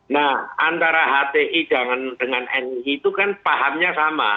nah antara hti dengan nii itu kan pahamnya sama